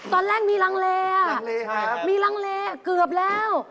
ตอนแรกมีรังเลอ่ะมีรังเลอ่ะเกือบแล้ว